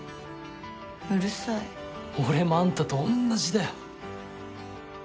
うるさい俺もあんたと同じだよ